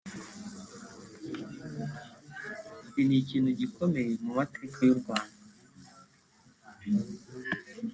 Ati “Ni ikintu gikomeye mu mateka y’u Rwanda